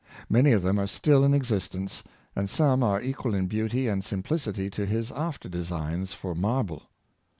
Many of them are still in existence, and some are equal in beauty and simplicity to his after designs for marble.